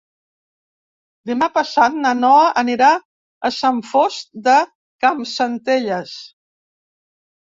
Demà passat na Noa anirà a Sant Fost de Campsentelles.